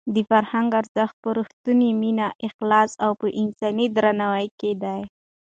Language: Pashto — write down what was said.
د فرهنګ ارزښت په رښتونې مینه، اخلاص او په انساني درناوي کې دی.